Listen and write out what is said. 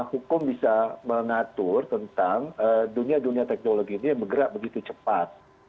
hukum bisa mengatur tentang dunia dunia teknologi ini bergerak begitu cepat